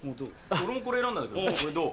俺もこれ選んだんだけどこれどう？